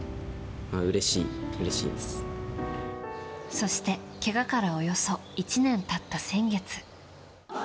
そして、けがからおよそ１年経った先月。